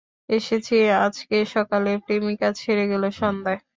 এসেছি আজকে সকালে, প্রেমিকা ছেড়ে গেল সন্ধ্যায়।